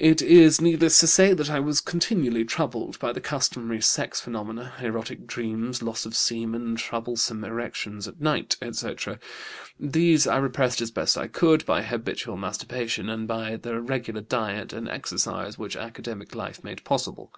"It is needless to say that I was continually troubled by the customary sex phenomena: erotic dreams, loss of semen, troublesome erections at night, etc. These I repressed as best I could, by habitual masturbation and by the regular diet and exercise which academic life made possible.